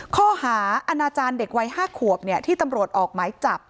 ข้อหาอาณาจารย์เด็กวัย๕ขวบที่ตำรวจออกหมายจับ